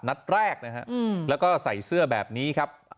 นัดแรกนะฮะแล้วก็ใส่เสื้อแบบนี้ครับ